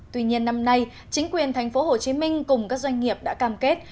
tuy nhiên năm nay chính quyền tp hcm cùng các doanh nghiệp đã cam kết